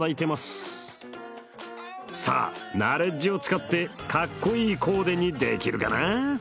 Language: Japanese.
さあナレッジを使ってかっこいいコーデにできるかな？